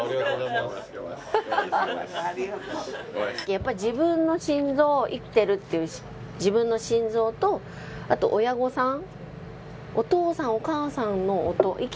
やっぱ自分の心臓生きてるっていう自分の心臓とあと親御さんお父さんお母さんの音生きている音。